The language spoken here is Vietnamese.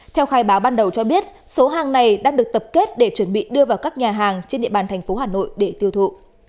theo khai báo ban đầu cho biết số hàng này đang được tập kết để chuẩn bị đưa vào các nhà hàng trên địa bàn thành phố hà nội để tiêu thụ